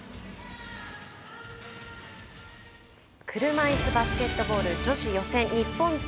車いすバスケットボール女子予選日本対